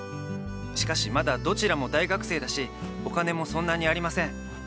しかしまだどちらも大学生だしお金もそんなにありません。